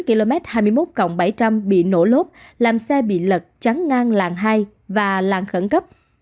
năm km hai mươi một bảy trăm linh bị nổ lốp làm xe bị lật trắng ngang làng hai và làng khẩn cấp